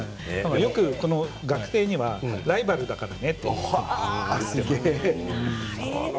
よく学生にはライバルだからねって。